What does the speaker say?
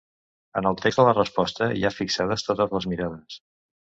En el text de la resposta hi ha fixades totes les mirades.